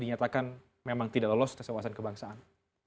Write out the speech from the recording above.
dinyatakan memang tidak lolos kesewasan kebangsaan